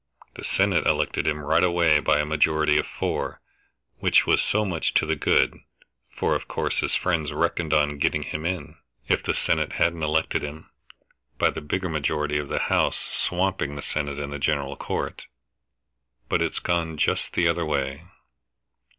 The Senate elected him right away by a majority of four, which was so much to the good, for of course his friends reckoned on getting him in, if the Senate hadn't elected him, by the bigger majority of the House swamping the Senate in the General Court. But it's gone just the other way."